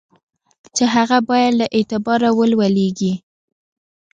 چي هغه باید له اعتباره ولوېږي.